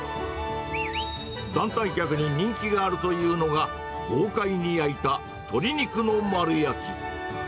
団体客に人気があるというのが、豪快に焼いた鶏肉の丸焼き。